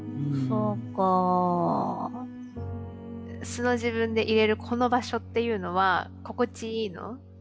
素の自分でいれるこの場所っていうのは心地いいの？